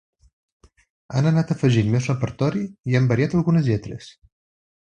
Han anat afegint més repertori i han variat algunes lletres.